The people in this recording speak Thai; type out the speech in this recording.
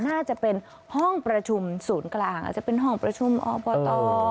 น่าจะเป็นห้องประชุมศูนย์กลางอาจจะเป็นห้องประชุมอบต